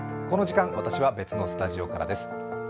この時間、私は別のスタジオからです。